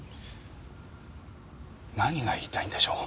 何が言いたいんでしょう？